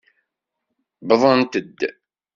Wwḍent-d.